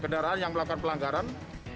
kendaraan yang melakukan pelanggaran